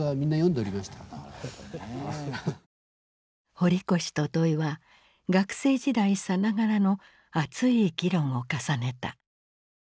堀越と土井は学生時代さながらの熱い議論を重ねた。